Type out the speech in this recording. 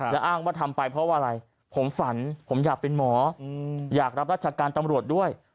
แล้วอ้างว่าทำไปเพราะว่าอะไรผมฝันผมอยากเป็นหมออยากรับราชการตำรวจด้วย